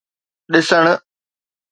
ڏسڻ